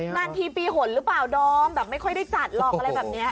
นานทีปีหนหรือเปล่าดอมแบบไม่ค่อยได้จัดหรอกอะไรแบบนี้